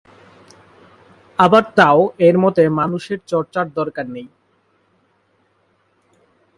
আবার তাও এর মতে, মানুষের চর্চার দরকার নেই।